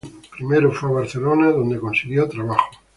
Primero fue a Barcelona, donde consiguió trabajo.